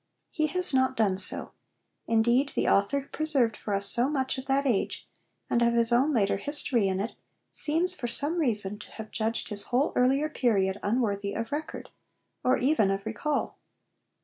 He has not done so; indeed, the author who preserved for us so much of that age, and of his own later history in it, seems for some reason to have judged his whole earlier period unworthy of record or even of recal.